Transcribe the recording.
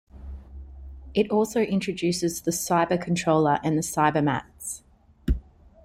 It also introduces the Cyber Controller and the Cybermats.